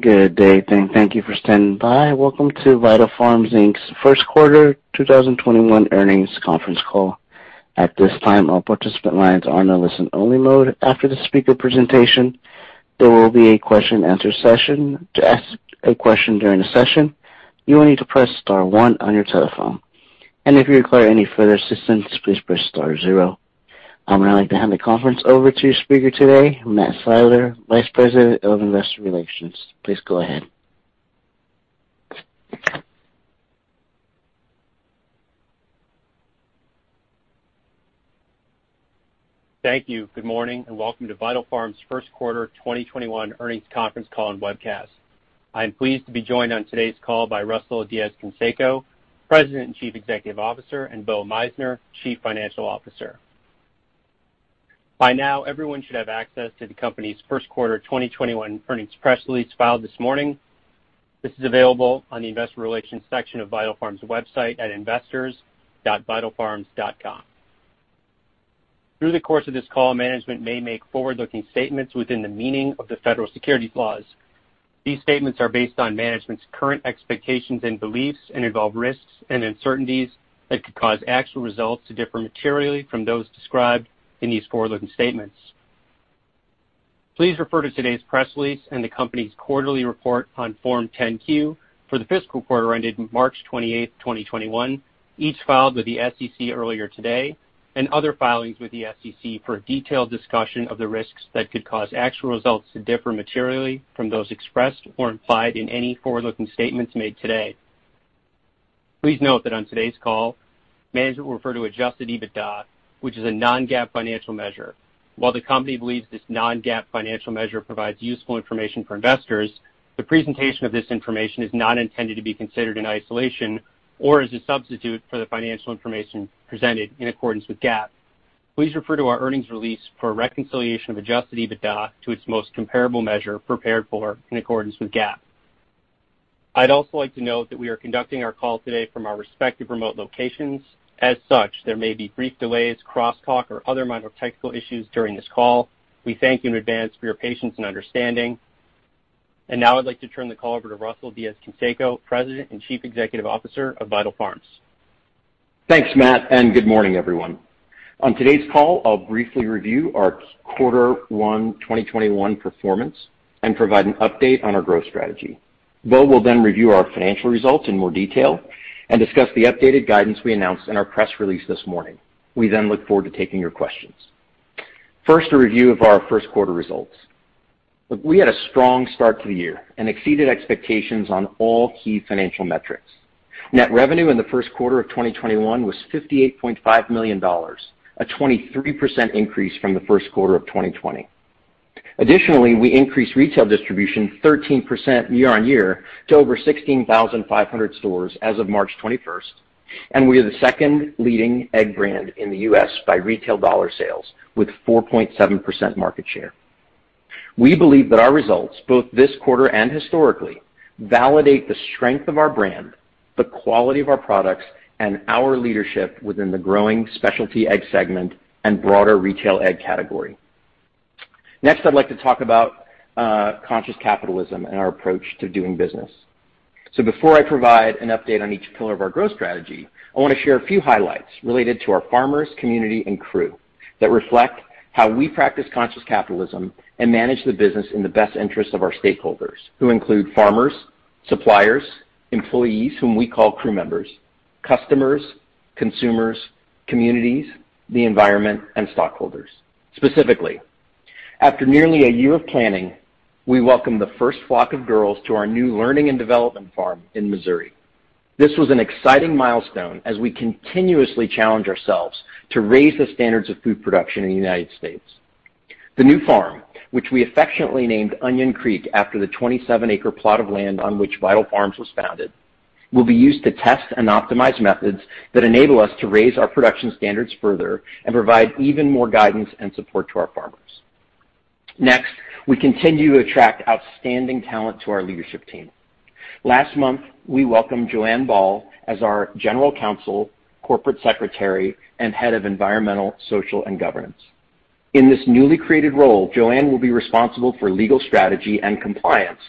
Good day, and thank you for standing by. Welcome to Vital Farms, Inc.'s first quarter 2021 earnings conference call. At this time, all participant lines are in listen-only mode. After the speaker presentation, there will be question and answer session. To ask a question during the session, you will need to press star one on your telephone. If you require any further assistance, please press star zero. I would now like to hand the conference over to your speaker today, Matt Siler, Vice President of Investor Relations. Please go ahead. Thank you. Good morning, and welcome to Vital Farms' first quarter 2021 earnings conference call and webcast. I'm pleased to be joined on today's call by Russell Diez-Canseco, President and Chief Executive Officer, and Bo Meissner, Chief Financial Officer. By now, everyone should have access to the company's first quarter 2021 earnings press release filed this morning. This is available on the Investor Relations section of Vital Farms' website at investors.vitalfarms.com. Through the course of this call, management may make forward-looking statements within the meaning of the federal securities laws. These statements are based on management's current expectations and beliefs and involve risks and uncertainties that could cause actual results to differ materially from those described in these forward-looking statements. Please refer to today's press release and the company's quarterly report on Form 10-Q for the fiscal quarter ended March 28th, 2021, each filed with the SEC earlier today, and other filings with the SEC for a detailed discussion of the risks that could cause actual results to differ materially from those expressed or implied in any forward-looking statements made today. Please note that on today's call, management will refer to adjusted EBITDA, which is a non-GAAP financial measure. While the company believes this non-GAAP financial measure provides useful information for investors, the presentation of this information is not intended to be considered in isolation or as a substitute for the financial information presented in accordance with GAAP. Please refer to our earnings release for a reconciliation of adjusted EBITDA to its most comparable measure prepared for in accordance with GAAP. I'd also like to note that we are conducting our call today from our respective remote locations. As such, there may be brief delays, crosstalk, or other minor technical issues during this call. We thank you in advance for your patience and understanding. Now I'd like to turn the call over to Russell Diez-Canseco, President and Chief Executive Officer of Vital Farms. Thanks, Matt, good morning, everyone. On today's call, I'll briefly review our quarter one 2021 performance and provide an update on our growth strategy. Bo will review our financial results in more detail and discuss the updated guidance we announced in our press release this morning. We look forward to taking your questions. First, a review of our first quarter results. Look, we had a strong start to the year and exceeded expectations on all key financial metrics. Net revenue in the first quarter of 2021 was $58.5 million, a 23% increase from the first quarter of 2020. Additionally, we increased retail distribution 13% year-on-year to over 16,500 stores as of March 21st, and we are the second leading egg brand in the U.S. by retail dollar sales, with 4.7% market share. We believe that our results, both this quarter and historically, validate the strength of our brand, the quality of our products, and our leadership within the growing specialty egg segment and broader retail egg category. Next, I'd like to talk about conscious capitalism and our approach to doing business. Before I provide an update on each pillar of our growth strategy, I want to share a few highlights related to our farmers, community, and crew that reflect how we practice conscious capitalism and manage the business in the best interest of our stakeholders who include farmers, suppliers, employees whom we call crew members, customers, consumers, communities, the environment, and stockholders. Specifically, after nearly a year of planning, we welcomed the first flock of girls to our new learning and development farm in Missouri. This was an exciting milestone as we continuously challenge ourselves to raise the standards of food production in the United States. The new farm, which we affectionately named Onion Creek after the 27 acre plot of land on which Vital Farms was founded, will be used to test and optimize methods that enable us to raise our production standards further and provide even more guidance and support to our farmers. Next, we continue to attract outstanding talent to our leadership team. Last month, we welcomed Joanne Bal as our General Counsel, Corporate Secretary, and Head of Environmental, Social, and Governance. In this newly created role, Joanne will be responsible for legal strategy and compliance,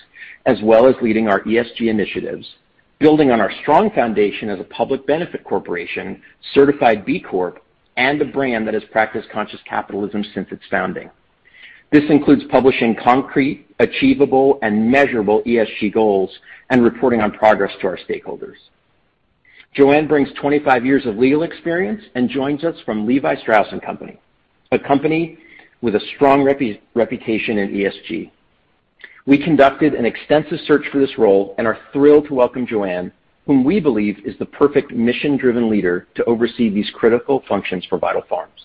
as well as leading our ESG initiatives, building on our strong foundation as a public benefit corporation, certified B Corp, and a brand that has practiced conscious capitalism since its founding. This includes publishing concrete, achievable, and measurable ESG goals and reporting on progress to our stakeholders. Joanne brings 25 years of legal experience and joins us from Levi Strauss & Co, a company with a strong reputation in ESG. We conducted an extensive search for this role and are thrilled to welcome Joanne, whom we believe is the perfect mission-driven leader to oversee these critical functions for Vital Farms.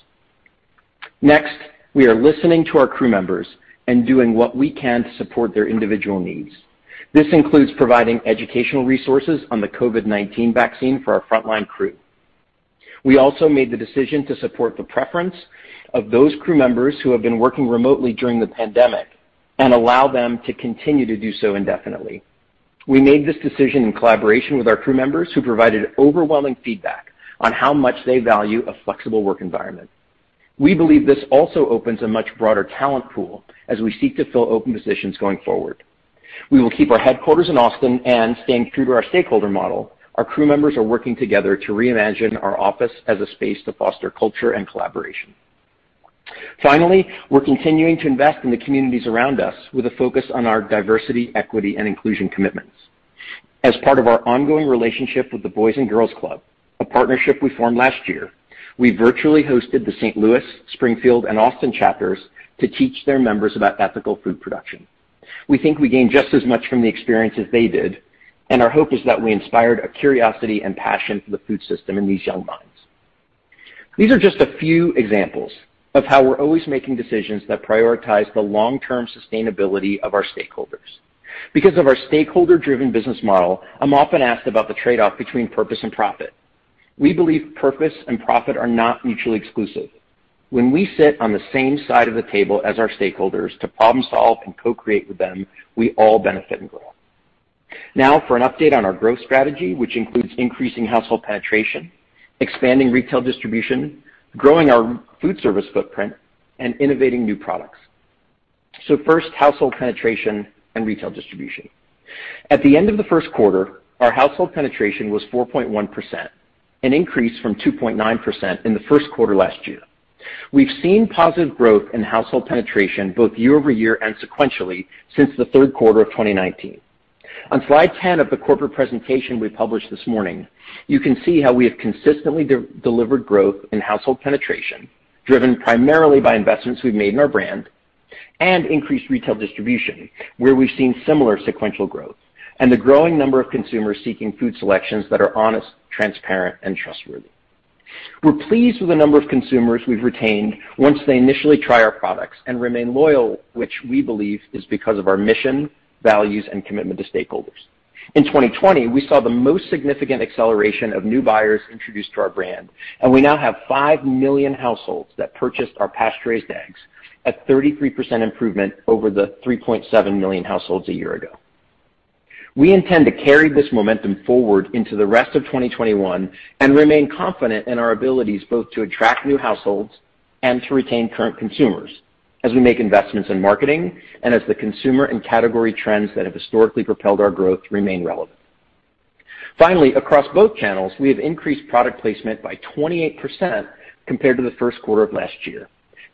We are listening to our crew members and doing what we can to support their individual needs. This includes providing educational resources on the COVID-19 vaccine for our frontline crew. We also made the decision to support the preference of those crew members who have been working remotely during the pandemic and allow them to continue to do so indefinitely. We made this decision in collaboration with our crew members who provided overwhelming feedback on how much they value a flexible work environment. We believe this also opens a much broader talent pool as we seek to fill open positions going forward. We will keep our headquarters in Austin, and staying true to our stakeholder model, our crew members are working together to reimagine our office as a space to foster culture and collaboration. Finally, we're continuing to invest in the communities around us with a focus on our diversity, equity, and inclusion commitments. As part of our ongoing relationship with the Boys & Girls Club, a partnership we formed last year, we virtually hosted the St. Louis, Springfield, and Austin chapters to teach their members about ethical food production. We think we gained just as much from the experience as they did, and our hope is that we inspired a curiosity and passion for the food system in these young minds. These are just a few examples of how we're always making decisions that prioritize the long-term sustainability of our stakeholders. Because of our stakeholder-driven business model, I'm often asked about the trade-off between purpose and profit. We believe purpose and profit are not mutually exclusive. When we sit on the same side of the table as our stakeholders to problem solve and co-create with them, we all benefit and grow. Now for an update on our growth strategy, which includes increasing household penetration, expanding retail distribution, growing our foodservice footprint, and innovating new products. First, household penetration and retail distribution. At the end of the first quarter, our household penetration was 4.1%, an increase from 2.9% in the first quarter last year. We've seen positive growth in household penetration both year-over-year and sequentially since the third quarter of 2019. On slide 10 of the corporate presentation we published this morning, you can see how we have consistently delivered growth in household penetration, driven primarily by investments we've made in our brand and increased retail distribution, where we've seen similar sequential growth and the growing number of consumers seeking food selections that are honest, transparent, and trustworthy. We're pleased with the number of consumers we've retained once they initially try our products and remain loyal, which we believe is because of our mission, values, and commitment to stakeholders. In 2020, we saw the most significant acceleration of new buyers introduced to our brand, and we now have 5 million households that purchased our pasture-raised eggs, a 33% improvement over the 3.7 million households a year ago. We intend to carry this momentum forward into the rest of 2021 and remain confident in our abilities both to attract new households and to retain current consumers as we make investments in marketing and as the consumer and category trends that have historically propelled our growth remain relevant. Finally, across both channels, we have increased product placement by 28% compared to the first quarter of last year,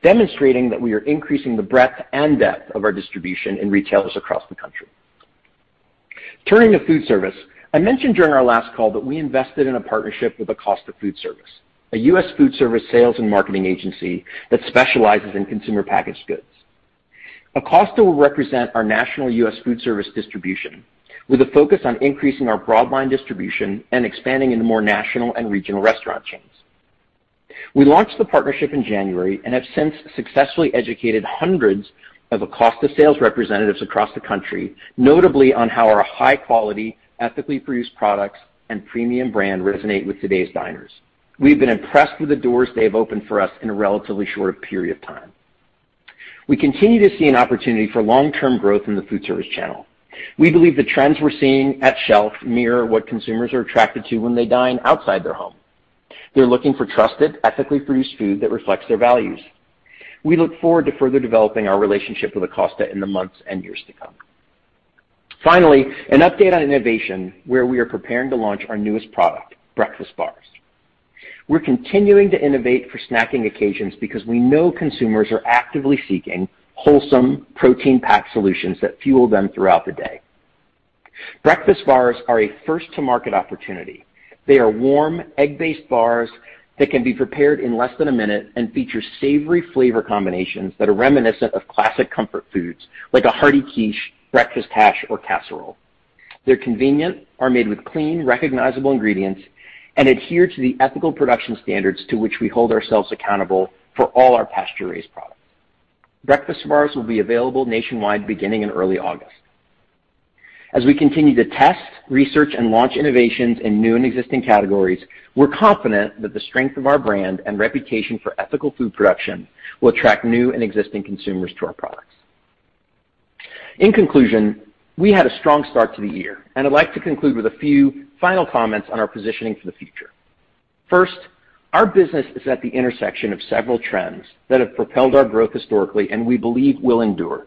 demonstrating that we are increasing the breadth and depth of our distribution in retailers across the country. Turning to foodservice, I mentioned during our last call that we invested in a partnership with Acosta Foodservice, a U.S. foodservice sales and marketing agency that specializes in consumer packaged goods. Acosta will represent our national U.S. foodservice distribution with a focus on increasing our broadline distribution and expanding into more national and regional restaurant chains. We launched the partnership in January and have since successfully educated hundreds of Acosta sales representatives across the country, notably on how our high-quality, ethically produced products and premium brand resonate with today's diners. We've been impressed with the doors they have opened for us in a relatively short period of time. We continue to see an opportunity for long-term growth in the foodservice channel. We believe the trends we're seeing at shelf mirror what consumers are attracted to when they dine outside their home. They're looking for trusted, ethically produced food that reflects their values. We look forward to further developing our relationship with Acosta in the months and years to come. Finally, an update on innovation, where we are preparing to launch our newest product, Breakfast Bars. We are continuing to innovate for snacking occasions because we know consumers are actively seeking wholesome, protein-packed solutions that fuel them throughout the day. Breakfast Bars are a first-to-market opportunity. They are warm, egg-based bars that can be prepared in less than a minute and feature savory flavor combinations that are reminiscent of classic comfort foods, like a hearty quiche, breakfast hash, or casserole. They are convenient, are made with clean, recognizable ingredients, and adhere to the ethical production standards to which we hold ourselves accountable for all our pasture-raised products. Breakfast Bars will be available nationwide beginning in early August. As we continue to test, research, and launch innovations in new and existing categories, we're confident that the strength of our brand and reputation for ethical food production will attract new and existing consumers to our products. In conclusion, we had a strong start to the year, and I'd like to conclude with a few final comments on our positioning for the future. First, our business is at the intersection of several trends that have propelled our growth historically, and we believe will endure.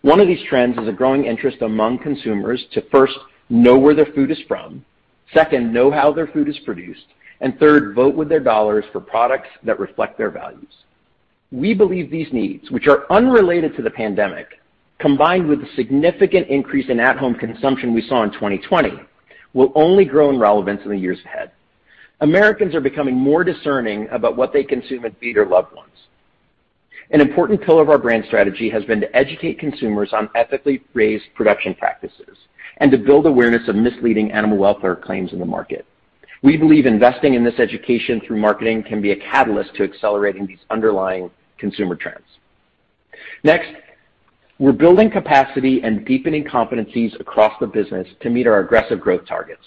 One of these trends is a growing interest among consumers to first know where their food is from, second, know how their food is produced, and third, vote with their dollars for products that reflect their values. We believe these needs, which are unrelated to the pandemic, combined with the significant increase in at-home consumption we saw in 2020, will only grow in relevance in the years ahead. Americans are becoming more discerning about what they consume and feed their loved ones. An important pillar of our brand strategy has been to educate consumers on ethically raised production practices and to build awareness of misleading animal welfare claims in the market. We believe investing in this education through marketing can be a catalyst to accelerating these underlying consumer trends. We're building capacity and deepening competencies across the business to meet our aggressive growth targets.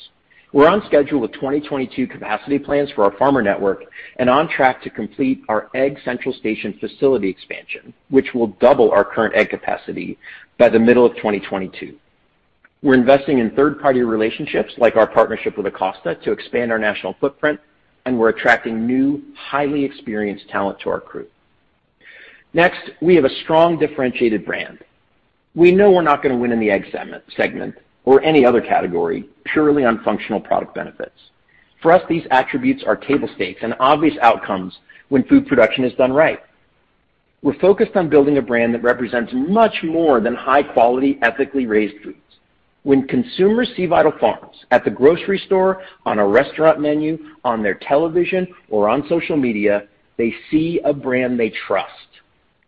We're on schedule with 2022 capacity plans for our farmer network and on track to complete our Egg Central Station facility expansion, which will double our current egg capacity by the middle of 2022. We're investing in third-party relationships, like our partnership with Acosta, to expand our national footprint, and we're attracting new, highly experienced talent to our crew. Next, we have a strong differentiated brand. We know we're not going to win in the egg segment or any other category purely on functional product benefits. For us, these attributes are table stakes and obvious outcomes when food production is done right. We're focused on building a brand that represents much more than high-quality, ethically raised foods. When consumers see Vital Farms at the grocery store, on a restaurant menu, on their television, or on social media, they see a brand they trust,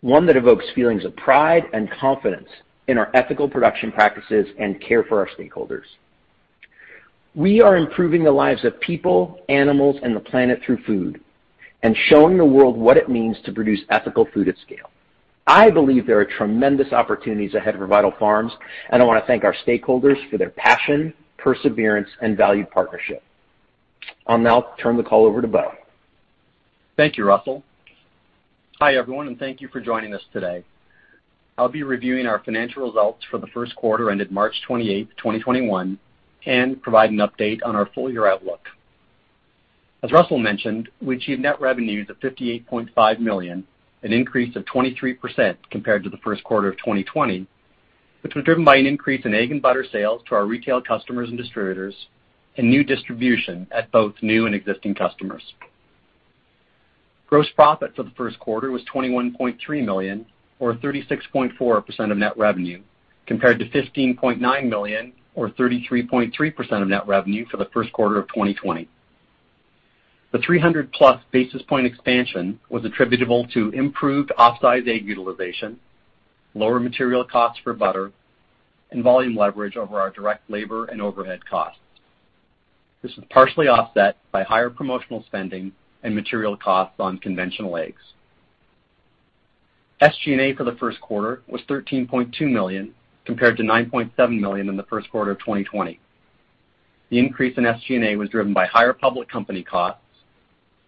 one that evokes feelings of pride and confidence in our ethical production practices and care for our stakeholders. We are improving the lives of people, animals, and the planet through food and showing the world what it means to produce ethical food at scale. I believe there are tremendous opportunities ahead for Vital Farms, and I want to thank our stakeholders for their passion, perseverance, and valued partnership. I'll now turn the call over to Bo. Thank you, Russell. Hi, everyone, and thank you for joining us today. I'll be reviewing our financial results for the first quarter ended March 28th, 2021, and provide an update on our full-year outlook. As Russell mentioned, we achieved net revenues of $58.5 million, an increase of 23% compared to the first quarter of 2020, which was driven by an increase in egg and butter sales to our retail customers and distributors and new distribution at both new and existing customers. Gross profit for the first quarter was $21.3 million, or 36.4% of net revenue, compared to $15.9 million, or 33.3% of net revenue for the first quarter of 2020. The 300+ basis point expansion was attributable to improved off-size egg utilization, lower material costs for butter, and volume leverage over our direct labor and overhead costs. This was partially offset by higher promotional spending and material costs on conventional eggs. SG&A for the first quarter was $13.2 million, compared to $9.7 million in the first quarter of 2020. The increase in SG&A was driven by higher public company costs,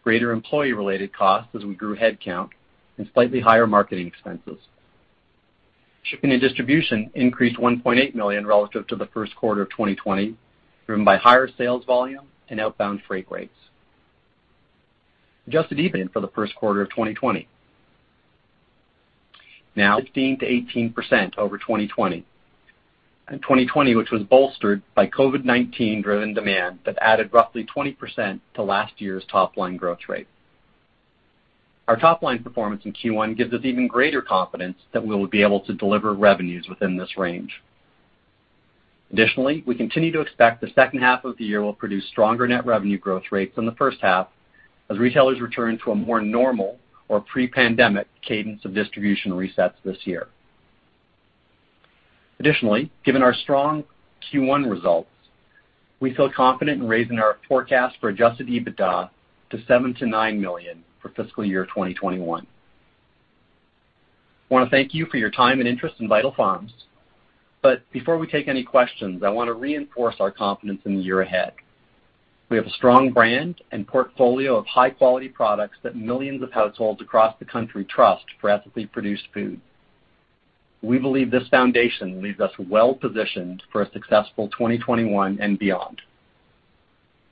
greater employee-related costs as we grew headcount, and slightly higher marketing expenses. Shipping and distribution increased $1.8 million relative to the first quarter of 2020, driven by higher sales volume and outbound freight rates. Adjusted EBITDA for the first quarter of 2020. Now 15%-18% over 2020. In 2020, which was bolstered by COVID-19-driven demand that added roughly 20% to last year's top-line growth rate. Our top-line performance in Q1 gives us even greater confidence that we'll be able to deliver revenues within this range. We continue to expect the second half of the year will produce stronger net revenue growth rates than the first half as retailers return to a more normal or pre-pandemic cadence of distribution resets this year. Additionally, given our strong Q1 results, we feel confident in raising our forecast for adjusted EBITDA to $7 million-$9 million for fiscal year 2021. I want to thank you for your time and interest in Vital Farms. Before we take any questions, I want to reinforce our confidence in the year ahead. We have a strong brand and portfolio of high-quality products that millions of households across the country trust for ethically produced food. We believe this foundation leaves us well-positioned for a successful 2021 and beyond.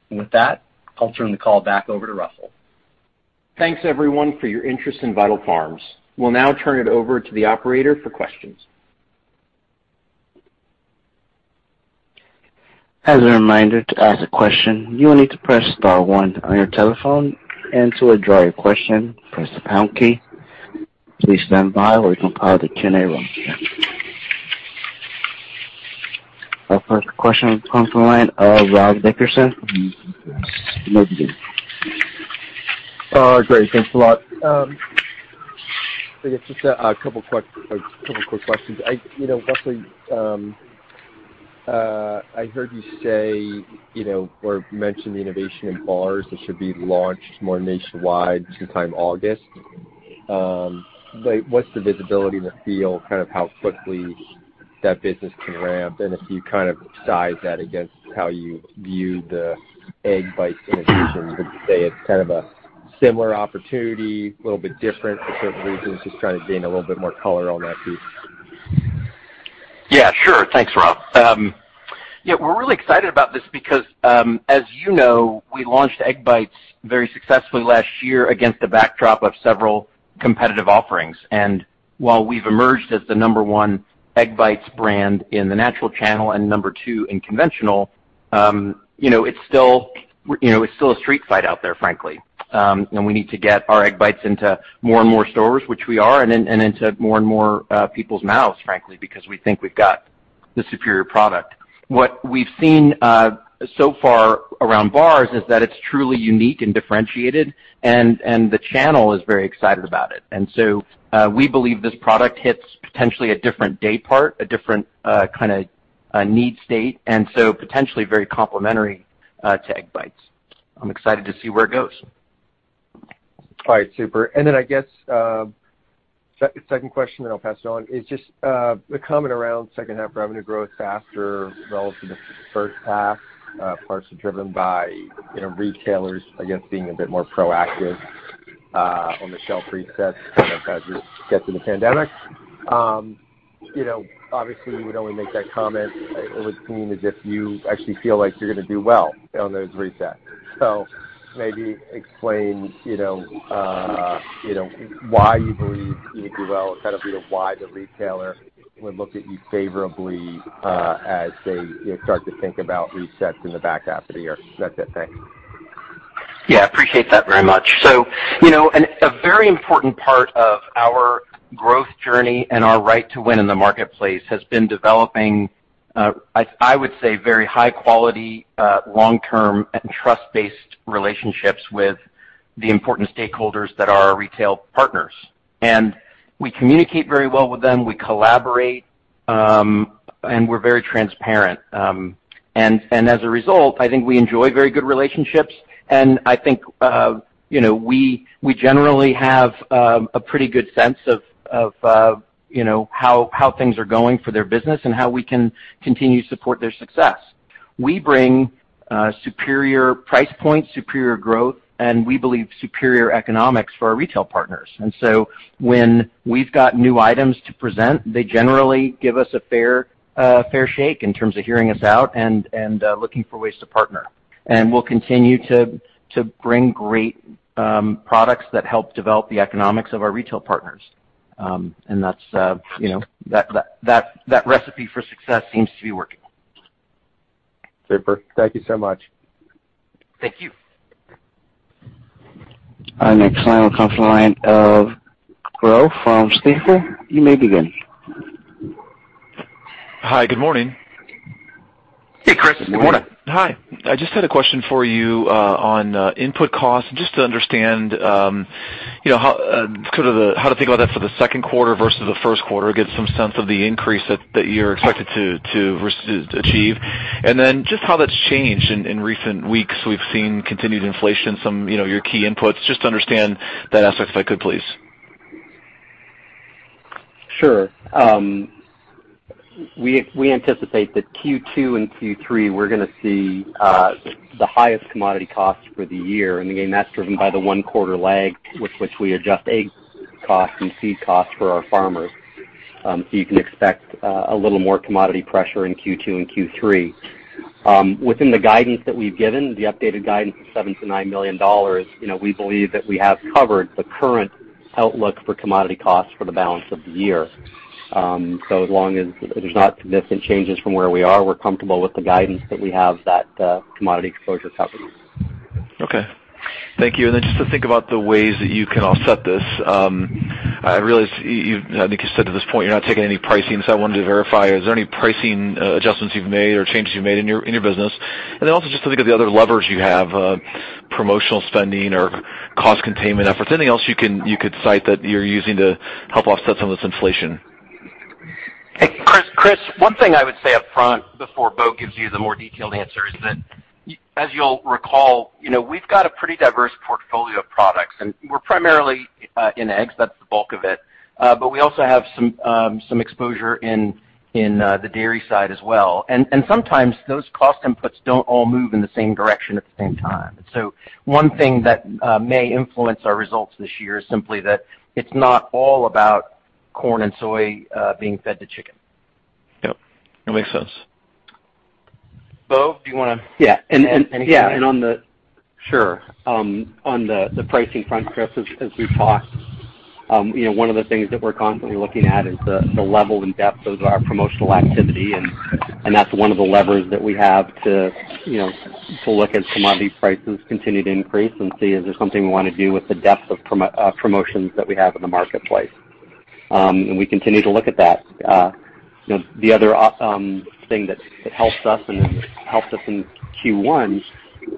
With that, I'll turn the call back over to Russell. Thanks everyone for your interest in Vital Farms. We'll now turn it over to the operator for questions. As a reminder, to ask a question, you will need to press star one on your telephone, and to withdraw your question, press the pound key. Please standby. We're compiling the [queue]. Our first question comes from the line of Rob Dickerson. You may begin. Great. Thanks a lot. I guess just a couple quick questions. Russell, I heard you say or mention the innovation in Bars that should be launched more nationwide sometime August. What's the visibility in the field, how quickly that business can ramp? If you size that against how you view the Egg Bites [innovation], would you say it's kind of a similar opportunity, a little bit different for certain reasons? Just trying to gain a little bit more color on that piece. Sure. Thanks, Rob. We're really excited about this because, as you know, we launched Egg Bites very successfully last year against a backdrop of several competitive offerings. While we've emerged as the number one Egg Bites brand in the natural channel and number two in conventional, it's still a street fight out there, frankly, we need to get our Egg Bites into more and more stores, which we are, and into more and more people's mouths, frankly, because we think we've got the superior product. What we've seen so far around Bars is that it's truly unique and differentiated, the channel is very excited about it. We believe this product hits potentially a different day part, a different kind of need state, potentially very complementary to Egg Bites. I'm excited to see where it goes. All right. Super. I guess, second question, then I'll pass it on, is just the comment around second half revenue growth faster relative to first half, partially driven by retailers, I guess, being a bit more proactive on the shelf resets as we get to the pandemic. Obviously, you would only make that comment or it would seem as if you actually feel like you're going to do well on those resets. Maybe explain why you believe you would do well and kind of why the retailer would look at you favorably as they start to think about resets in the back half of the year. That's it. Thanks. Yeah, appreciate that very much. A very important part of our growth journey and our right to win in the marketplace has been developing, I would say, very high quality, long-term and trust-based relationships with the important stakeholders that are our retail partners. We communicate very well with them, we collaborate, and we're very transparent. As a result, I think we enjoy very good relationships and I think we generally have a pretty good sense of how things are going for their business and how we can continue to support their success. We bring superior price points, superior growth, and we believe superior economics for our retail partners. When we've got new items to present, they generally give us a fair shake in terms of hearing us out and looking for ways to partner. We'll continue to bring great products that help develop the economics of our retail partners. That recipe for success seems to be working. Super. Thank you so much. Thank you. Our next line will come from the line of Growe from Stifel. You may begin. Hi, good morning. Hey, Chris. Good morning. Hi. I just had a question for you on input costs, just to understand how to think about that for the second quarter versus the first quarter, get some sense of the increase that you're expected to achieve. Just how that's changed in recent weeks. We've seen continued inflation, some your key inputs. Just to understand that aspect, if I could please? Sure. We anticipate that Q2 and Q3, we're going to see the highest commodity costs for the year. Again, that's driven by the one quarter lag with which we adjust egg cost and seed cost for our farmers. You can expect a little more commodity pressure in Q2 and Q3. Within the guidance that we've given, the updated guidance of $7 million-$9 million, we believe that we have covered the current outlook for commodity costs for the balance of the year. As long as there's not significant changes from where we are, we're comfortable with the guidance that we have that commodity exposure covered. Okay. Thank you. Just to think about the ways that you can offset this. I realize, I think you said to this point, you're not taking any pricing, so I wanted to verify, is there any pricing adjustments you've made or changes you've made in your business? Also just to think of the other levers you have, promotional spending or cost containment efforts, anything else you could cite that you're using to help offset some of this inflation? Hey, Chris. One thing I would say up front before Bo gives you the more detailed answer is that, as you'll recall, we've got a pretty diverse portfolio of products, and we're primarily in eggs, that's the bulk of it. We also have some exposure in the dairy side as well. Sometimes those cost inputs don't all move in the same direction at the same time. One thing that may influence our results this year is simply that it's not all about corn and soy being fed to chicken. Yep. That makes sense. Bo, do you want to add anything there? Sure. On the pricing front, Chris, as we've talked, one of the things that we're constantly looking at is the level and depth of our promotional activity, and that's one of the levers that we have to look as commodity prices continue to increase and see is there something we want to do with the depth of promotions that we have in the marketplace. We continue to look at that. The other thing that helps us and helped us in Q1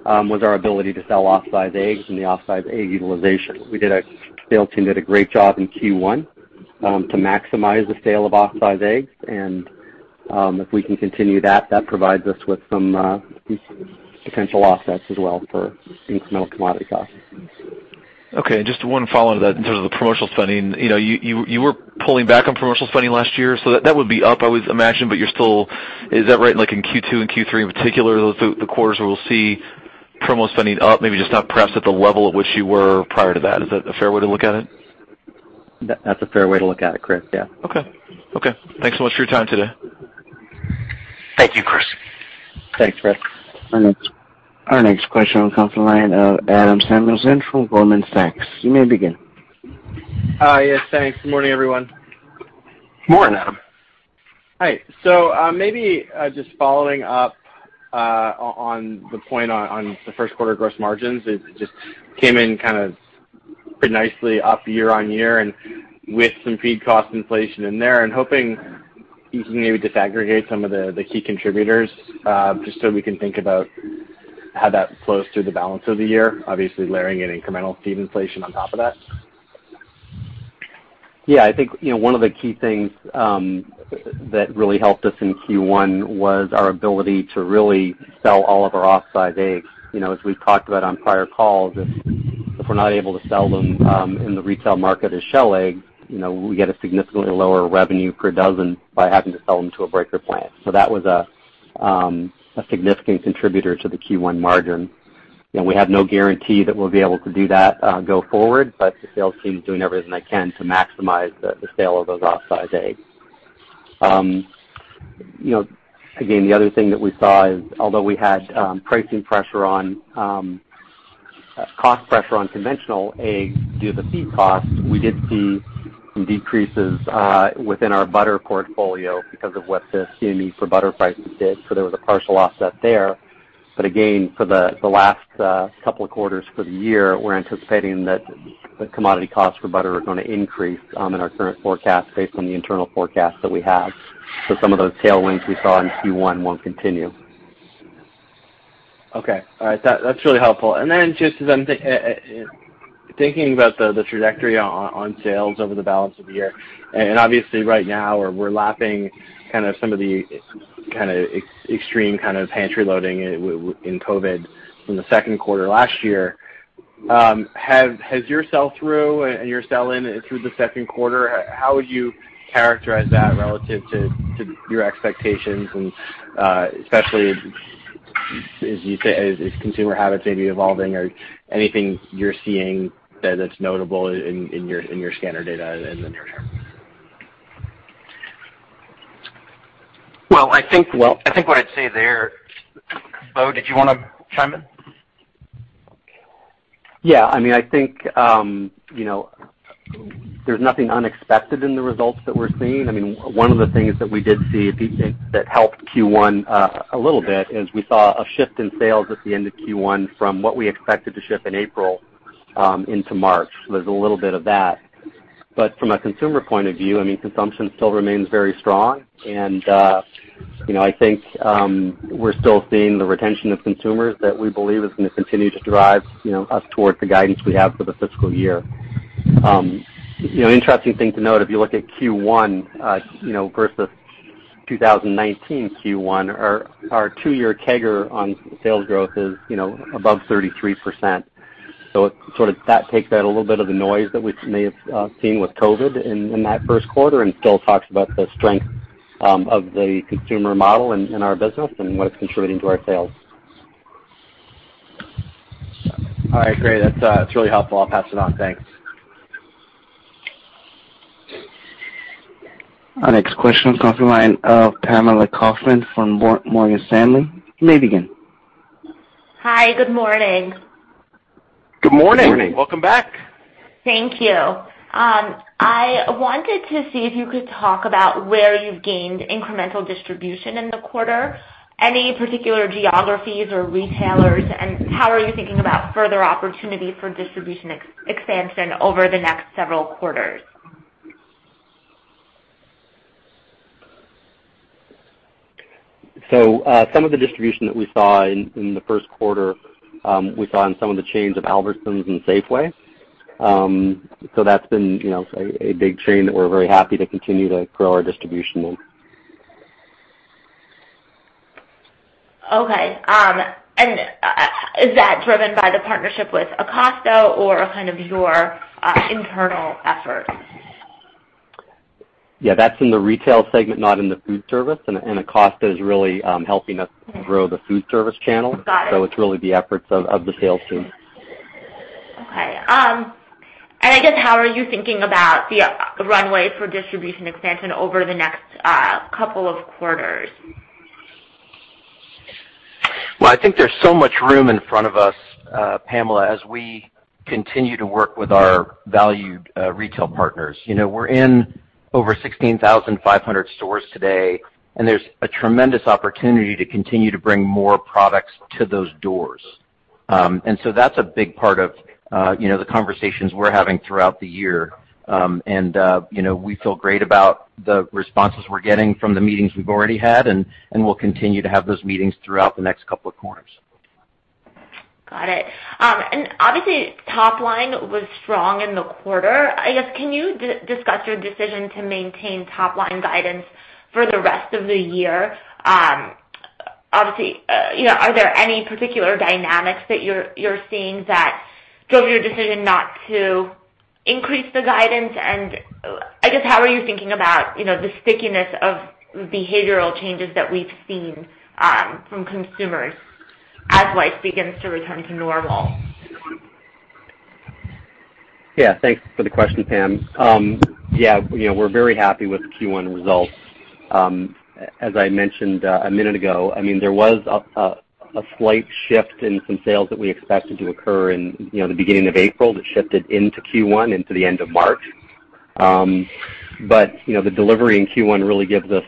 was our ability to sell off-size eggs and the off-size egg utilization. The sales team did a great job in Q1 to maximize the sale of off-size eggs, and if we can continue that provides us with some potential offsets as well for incremental commodity costs. Okay, just one follow-on to that in terms of the promotional spending. You were pulling back on promotional spending last year, so that would be up, I would imagine. Is that right, in Q2 and Q3 in particular, the quarters where we'll see promo spending up, maybe just not perhaps at the level at which you were prior to that? Is that a fair way to look at it? That's a fair way to look at it, Chris. Yeah. Okay. Thanks so much for your time today. Thank you, Chris. Thanks, Chris. Our next question will come from the line of Adam Samuelson from Goldman Sachs. You may begin. Yes, thanks. Good morning, everyone. Morning, Adam. Hi. Maybe just following up on the point on the first quarter gross margins. It just came in kind of pretty nicely up year-on-year and with some feed cost inflation in there. I'm hoping you can maybe disaggregate some of the key contributors, just so we can think about how that flows through the balance of the year, obviously layering in incremental feed inflation on top of that. Yeah, I think one of the key things that really helped us in Q1 was our ability to really sell all of our off-size eggs. As we've talked about on prior calls, if we're not able to sell them in the retail market as shell eggs, we get a significantly lower revenue per dozen by having to sell them to a breaker plant. That was a significant contributor to the Q1 margin. We have no guarantee that we'll be able to do that go forward, the sales team's doing everything they can to maximize the sale of those off-size eggs. Again, the other thing that we saw is, although we had cost pressure on conventional eggs due to feed costs, we did see some decreases within our butter portfolio because of what the CME for butter prices did. There was a partial offset there. Again, for the last couple of quarters for the year, we're anticipating that the commodity costs for butter are going to increase in our current forecast based on the internal forecast that we have. Some of those tailwinds we saw in Q1 won't continue. Okay. All right. That's really helpful. Just as I'm thinking about the trajectory on sales over the balance of the year, obviously right now we're lapping kind of some of the extreme pantry loading in COVID from the second quarter last year. Has your sell-through and your sell-in through the second quarter, how would you characterize that relative to your expectations and, especially as you say, as consumer habits may be evolving or anything you're seeing that's notable in your scanner data in the near term? I think what I'd say there... Bo, did you want to chime in? Yeah. I think there's nothing unexpected in the results that we're seeing. One of the things that we did see that helped Q1 a little bit is we saw a shift in sales at the end of Q1 from what we expected to ship in April, into March. There's a little bit of that. From a consumer point of view, consumption still remains very strong. I think, we're still seeing the retention of consumers that we believe is going to continue to drive us towards the guidance we have for the fiscal year. Interesting thing to note, if you look at Q1, versus 2019 Q1, our two-year CAGR on sales growth is above 33%. That takes out a little bit of the noise that we may have seen with COVID in that first quarter and still talks about the strength of the consumer model in our business and what it's contributing to our sales. All right, great. That's really helpful. I'll pass it on. Thanks. Our next question comes from the line of Pamela Kaufman from Morgan Stanley. You may begin. Hi. Good morning. Good morning. Good morning. Welcome back. Thank you. I wanted to see if you could talk about where you've gained incremental distribution in the quarter. Any particular geographies or retailers, how are you thinking about further opportunities for distribution expansion over the next several quarters? Some of the distribution that we saw in the first quarter, we saw in some of the chains of Albertsons and Safeway. That's been a big chain that we're very happy to continue to grow our distribution in. Okay. Is that driven by the partnership with Acosta or kind of your internal efforts? Yeah, that's in the retail segment, not in the foodservice. Acosta is really helping us grow the foodservice channel. Got it. It's really the efforts of the sales team. Okay. I guess how are you thinking about the runway for distribution expansion over the next couple of quarters? Well, I think there's so much room in front of us, Pamela, as we continue to work with our valued retail partners. We're in over 16,500 stores today, and there's a tremendous opportunity to continue to bring more products to those doors. That's a big part of the conversations we're having throughout the year. We feel great about the responses we're getting from the meetings we've already had, and we'll continue to have those meetings throughout the next couple of quarters. Got it. Obviously top line was strong in the quarter. I guess, can you discuss your decision to maintain top line guidance for the rest of the year? Obviously, are there any particular dynamics that you're seeing that drove your decision not to increase the guidance? I guess how are you thinking about the stickiness of behavioral changes that we've seen from consumers as life begins to return to normal? Thanks for the question, Pam. We're very happy with the Q1 results. As I mentioned a minute ago, there was a slight shift in some sales that we expected to occur in the beginning of April that shifted into Q1, into the end of March. The delivery in Q1 really gives us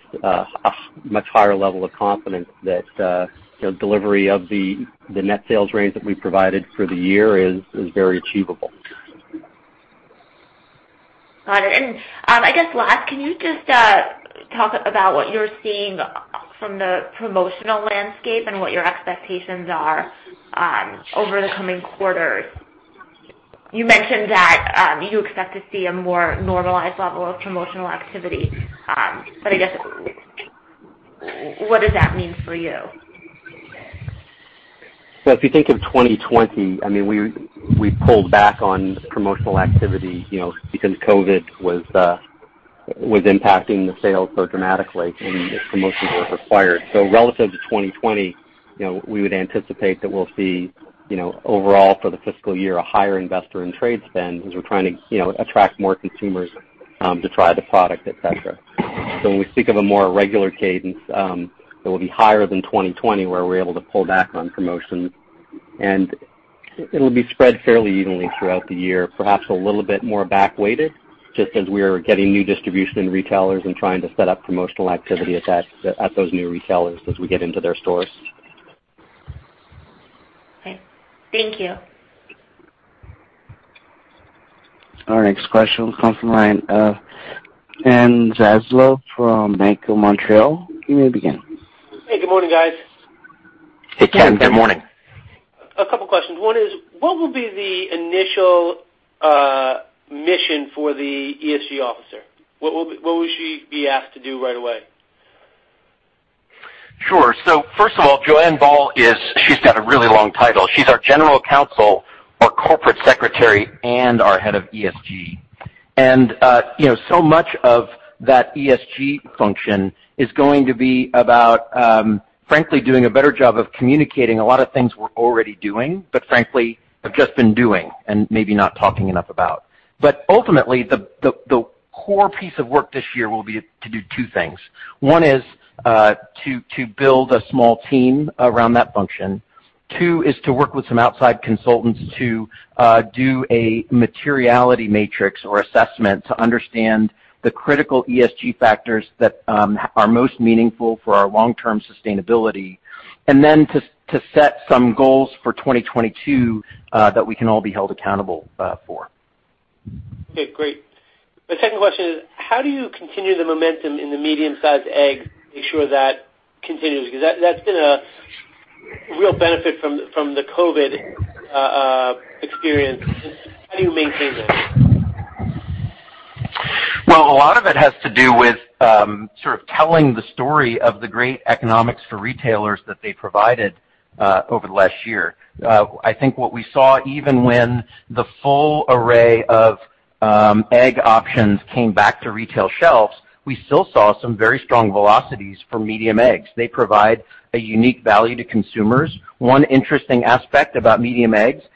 a much higher level of confidence that the delivery of the net sales range that we provided for the year is very achievable. Got it. I guess last, can you just talk about what you're seeing from the promotional landscape and what your expectations are over the coming quarters? You mentioned that you expect to see a more normalized level of promotional activity. I guess, what does that mean for you? If you think of 2020, we pulled back on promotional activity, because COVID was impacting the sales so dramatically and its promotions were required. Relative to 2020, we would anticipate that we'll see, overall for the fiscal year, a higher investment in trade spend as we're trying to attract more consumers to try the product, et cetera. When we think of a more regular cadence, it will be higher than 2020, where we're able to pull back on promotions, and it'll be spread fairly evenly throughout the year, perhaps a little bit more back-weighted, just as we are getting new distribution retailers and trying to set up promotional activity at those new retailers as we get into their stores. Okay. Thank you. Our next question comes from the line of Ken Zaslow from Bank of Montreal. You may begin. Hey, good morning, guys. Hey, Ken. Good morning. A couple questions. One is, what will be the initial mission for the ESG Officer? What will she be asked to do right away? Sure. First of all, Joanne Bal, she's got a really long title. She's our General Counsel, our Corporate Secretary, and our Head of ESG. Much of that ESG function is going to be about frankly doing a better job of communicating a lot of things we're already doing, but frankly, have just been doing and maybe not talking enough about. Ultimately, the core piece of work this year will be to do two things. One is to build a small team around that function. Two is to work with some outside consultants to do a materiality matrix or assessment to understand the critical ESG factors that are most meaningful for our long-term sustainability. To set some goals for 2022 that we can all be held accountable for. Okay, great. My second question is, how do you continue the momentum in the medium-sized egg, make sure that continues? Because that's been a real benefit from the COVID experience. How do you maintain that? A lot of it has to do with sort of telling the story of the great economics for retailers that they provided over the last year. I think what we saw, even when the full array of egg options came back to retail shelves, we still saw some very strong velocities for medium eggs. They provide a unique value to consumers. One interesting aspect about medium eggs is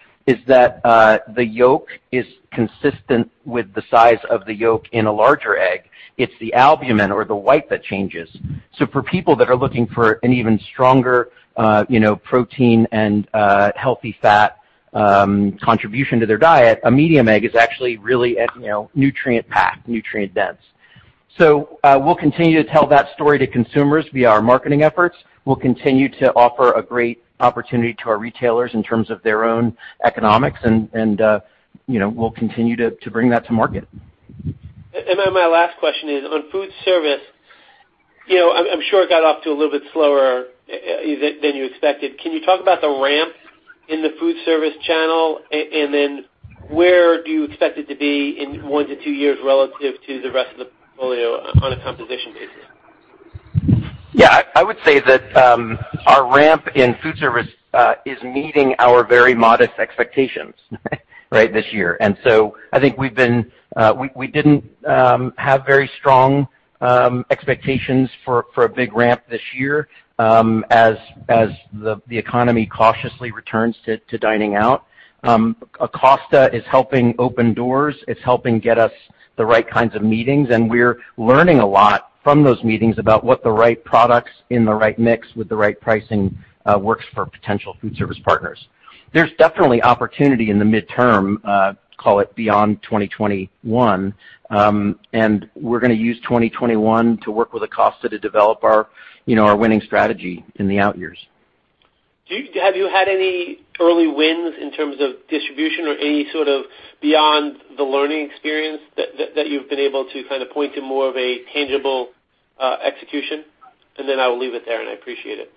that the yolk is consistent with the size of the yolk in a larger egg. It's the albumen or the white that changes. For people that are looking for an even stronger protein and healthy fat contribution to their diet, a medium egg is actually really nutrient-packed, nutrient-dense. We'll continue to tell that story to consumers via our marketing efforts. We'll continue to offer a great opportunity to our retailers in terms of their own economics and we'll continue to bring that to market. My last question is on foodservice. I am sure it got off to a little bit slower than you expected. Can you talk about the ramp in the foodservice channel? Where do you expect it to be in one to two years relative to the rest of the portfolio on a composition basis? Yeah, I would say that our ramp in foodservice is meeting our very modest expectations this year. I think we didn't have very strong expectations for a big ramp this year, as the economy cautiously returns to dining out. Acosta is helping open doors. It's helping get us the right kinds of meetings, and we're learning a lot from those meetings about what the right products in the right mix with the right pricing works for potential foodservice partners. There's definitely opportunity in the midterm, call it beyond 2021. We're gonna use 2021 to work with Acosta to develop our winning strategy in the out years. Have you had any early wins in terms of distribution or any sort of beyond the learning experience that you've been able to kind of point to more of a tangible execution? I will leave it there, and I appreciate it.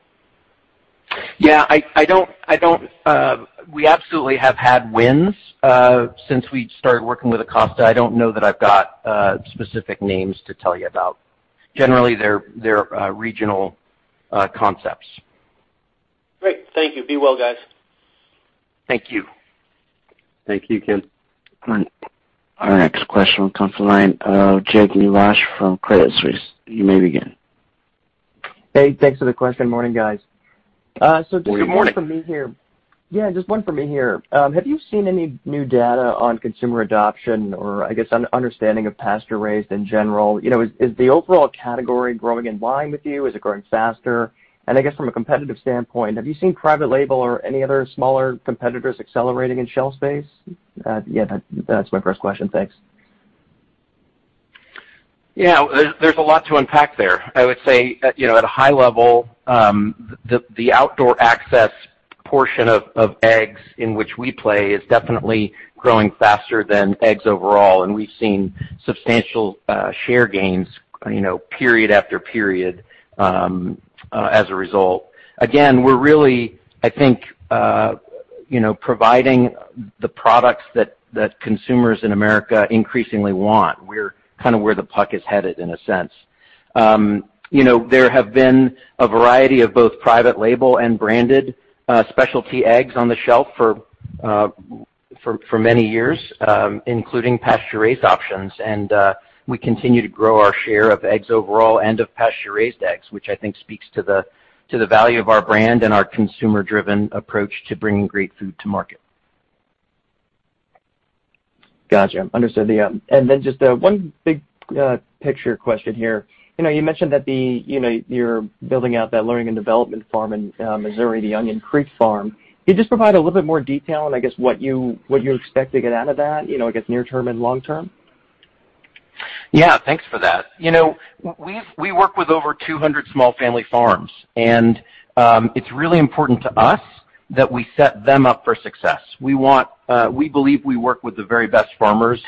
Yeah, we absolutely have had wins since we started working with Acosta. I don't know that I've got specific names to tell you about. Generally, they're regional concepts. Great. Thank you. Be well, guys. Thank you. Thank you, Ken. Our next question comes from the line of Jake Nivasch from Credit Suisse. You may begin. Hey, thanks for the question. Morning, guys. Good morning. Yeah, just one for me here. Have you seen any new data on consumer adoption or, I guess, understanding of pasture-raised in general? Is the overall category growing in line with you? Is it growing faster? I guess from a competitive standpoint, have you seen private label or any other smaller competitors accelerating in shelf space? Yeah, that's my first question. Thanks. Yeah. There's a lot to unpack there. I would say, at a high level, the outdoor access portion of eggs in which we play is definitely growing faster than eggs overall, and we've seen substantial share gains period after period as a result. Again, we're really, I think providing the products that consumers in America increasingly want. We're kind of where the puck is headed, in a sense. There have been a variety of both private label and branded specialty eggs on the shelf for many years, including pasture-raised options, and we continue to grow our share of eggs overall and of pasture-raised eggs, which I think speaks to the value of our brand and our consumer-driven approach to bringing great food to market. Got you. Understood. Just one big picture question here. You mentioned that you're building out that learning and development farm in Missouri, the Onion Creek Farm. Could you just provide a little bit more detail on, I guess, what you expect to get out of that, I guess near term and long term? Yeah. Thanks for that. We work with over 200 small family farms, and it's really important to us that we set them up for success. We believe we work with the very best farmers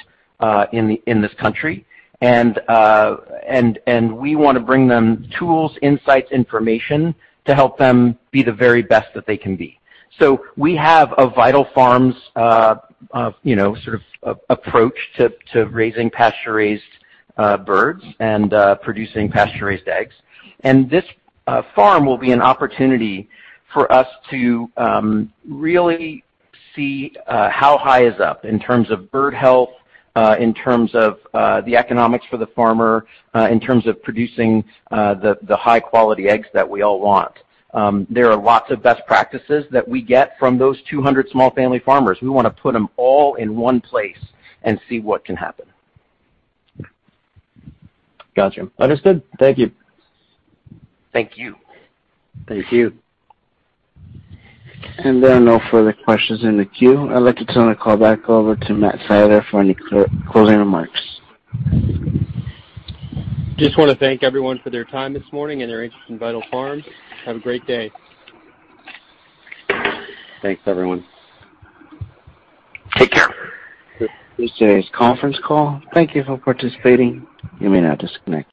in this country, and we want to bring them tools, insights, information to help them be the very best that they can be. We have a Vital Farms sort of approach to raising pasture-raised birds and producing pasture-raised eggs. This farm will be an opportunity for us to really see how high is up in terms of bird health, in terms of the economics for the farmer, in terms of producing the high-quality eggs that we all want. There are lots of best practices that we get from those 200 small family farmers. We want to put them all in one place and see what can happen. Got you. Understood. Thank you. Thank you. Thank you. There are no further questions in the queue. I'd like to turn the call back over to Matt Siler for any closing remarks. Just want to thank everyone for their time this morning and their interest in Vital Farms. Have a great day. Thanks, everyone. Take care. This ends today's conference call. Thank you for participating. You may now disconnect.